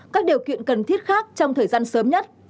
các điều kiện cần thiết khác trong thời gian sớm nhất